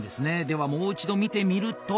ではもう一度見てみると。